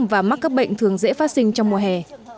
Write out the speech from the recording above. và mắc các bệnh thường dễ phát sinh trong mùa hè